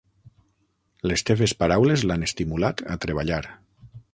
Les teves paraules l'han estimulat a treballar.